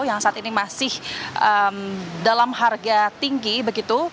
yang saat ini masih dalam harga tinggi begitu